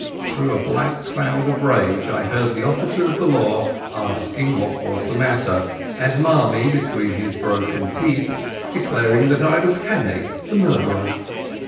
Through a black cloud of rage I heard the officer of the law asking what was the matter, and Marmie, between his broken teeth, declaring that I was Hannay the murderer.